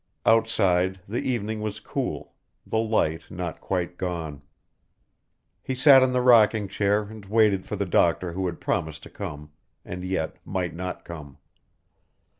Outside the evening was cool, the light not quite gone. He sat in the rocking chair and waited for the doctor who had promised to come and yet might not come.